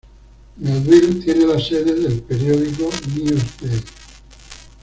Melville tiene la sede del periódico "Newsday".